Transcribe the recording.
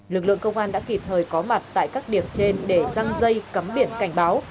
lực lượng công an đã kịp thời có mặt tại các điểm trên để răng dây cấm biển cảnh báo